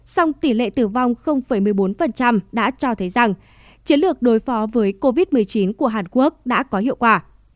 song tỷ lệ tử vong một mươi bốn đã cho thấy rằng chiến lược đối phó với covid một mươi chín của hàn quốc đã có hiệu quả